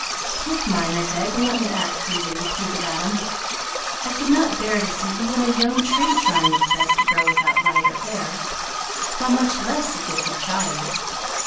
"Take mine, I beg, and let me act through you," pleaded Adam. "I could not bear to see even a young tree trying its best to grow without light or air, how much less a gifted child!